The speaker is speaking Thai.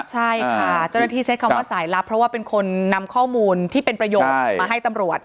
ใช่ค่ะเจ้าหน้าที่ใช้คำว่าสายลับเพราะว่าเป็นคนนำข้อมูลที่เป็นประโยชน์มาให้ตำรวจ